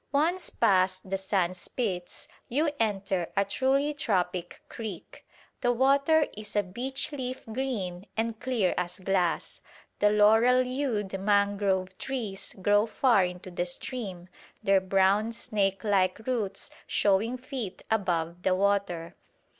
Once past the sandspits you enter a truly tropic creek. The water is a beech leaf green and clear as glass; the laurel hued mangrove trees grow far into the stream, their brown snake like roots showing feet above the water.